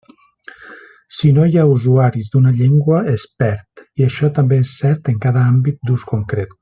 Si no hi ha usuaris d'una llengua, es perd, i això també és cert en cada àmbit d'ús concret.